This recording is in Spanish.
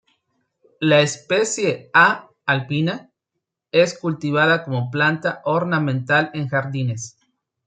La especie "A. alpina", es cultivada como planta ornamental en jardines.